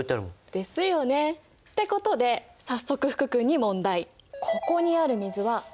ですよね。ってことで早速福くんに問題！